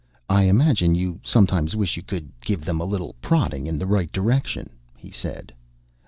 "I imagine you sometimes wish you could give them a little prodding in the right direction," he said.